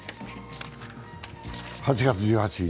８月１８日